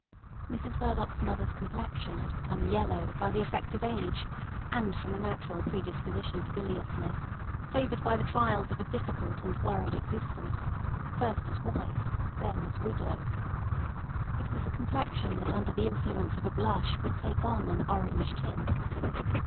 Mrs Verloc's mother's complexion had become yellow by the effect of age and from a natural predisposition to biliousness, favoured by the trials of a difficult and worried existence, first as wife, then as widow. It was a complexion, that under the influence of a blush would take on an orange tint.